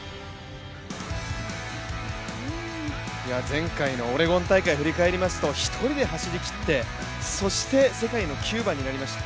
前回のオレゴン大会振り返りますと１人で走りきって、そして世界の９番になりました。